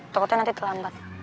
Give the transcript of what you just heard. tokotnya nanti terlambat